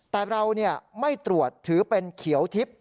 แต่เราไม่ตรวจถือเป็นเขียวทิพย์